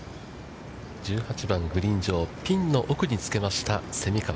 １８番グリーン上、ピンの奥につけました蝉川。